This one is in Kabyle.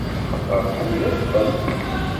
Axaṭer tḥemmleḍ-ten!